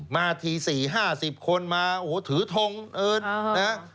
มาทีสี่ห้าสิบคนมาโอ้โหถือทงเอิ้นนะฮะ